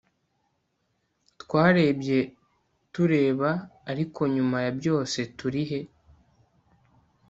Twarebye tureba ariko nyuma ya byose turihe